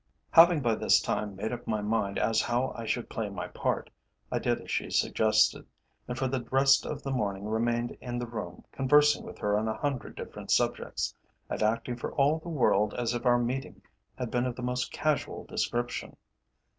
Having by this time made up my mind as to how I should play my part, I did as she suggested, and for the rest of the morning remained in the room, conversing with her on a hundred different subjects, and acting for all the world as if our meeting had been of the most casual description.